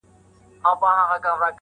توري پښې توري مشوکي بد مخونه٫